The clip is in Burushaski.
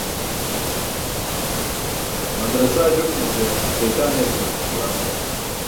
Madarasaa jotumuce śeytaan eeskarcum juwan.